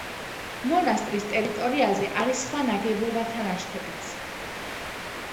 მონასტრის ტერიტორიაზე არის სხვა ნაგებობათა ნაშთებიც.